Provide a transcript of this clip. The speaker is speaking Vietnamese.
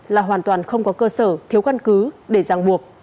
là hoàn toàn không có cơ sở thiếu căn cứ để giang buộc